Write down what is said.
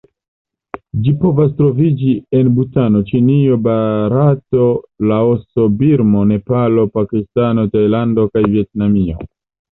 Ĝi povas troviĝi en Butano, Ĉinio, Barato, Laoso, Birmo, Nepalo, Pakistano, Tajlando kaj Vjetnamio.